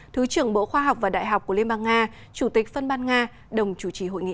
thứ trưởng bộ khoa học và đại học của liên bang nga chủ tịch phân ban nga đồng chủ trì hội nghị